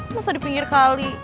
masa di pinggir kali